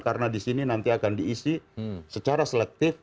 karena di sini nanti akan diisi secara selektif